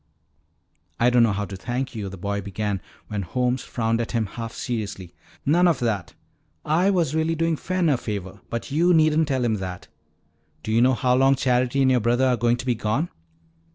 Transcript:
"I don't know how to thank you," the boy began when Holmes frowned at him half seriously. "None of that. I was really doing Fen a favor, but you needn't tell him that. Do you know how long Charity and your brother are going to be gone?"